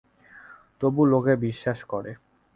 তবু লোকে বিশ্বাস করে।